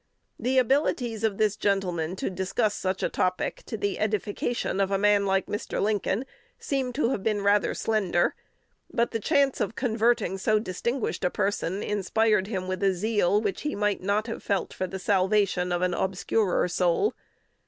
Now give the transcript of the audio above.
The abilities of this gentleman to discuss such a topic to the edification of a man like Mr. Lincoln seem to have been rather slender; but the chance of converting so distinguished a person inspired him with a zeal which he might not have felt for the salvation of an obscurer soul.